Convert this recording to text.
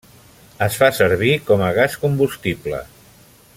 Es fa servir com a gas combustible.